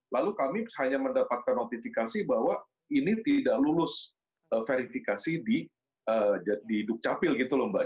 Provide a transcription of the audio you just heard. lalu kami hanya mendapatkan notifikasi bahwa ini tidak lulus verifikasi di dukcapil gitu loh mbak